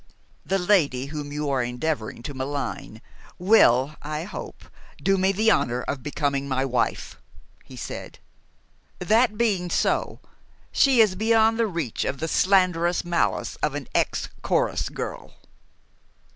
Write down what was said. "The lady whom you are endeavoring to malign, will, I hope, do me the honor of becoming my wife," he said. "That being so, she is beyond the reach of the slanderous malice of an ex chorus girl."